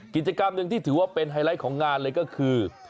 กิจกรรมหนึ่งที่ถือว่าเป็นไฮไลท์ของงานเลยก็คือ